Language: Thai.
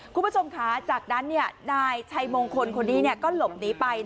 คุณผู้ชมค่ะจากนั้นนายชัยมงคลคนนี้ก็หลบหนีไป